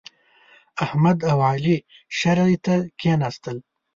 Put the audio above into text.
احمد او علي شرعې ته کېناستل.